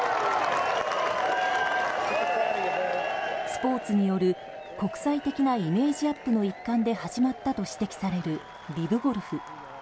スポーツによる国際的なイメージアップの一環で始まったと指摘されるリブゴルフ。